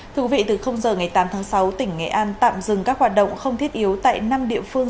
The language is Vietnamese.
thưa quý vị từ giờ ngày tám tháng sáu tỉnh nghệ an tạm dừng các hoạt động không thiết yếu tại năm địa phương